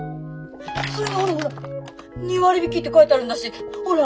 それにほら２割引って書いてあるんだしほら！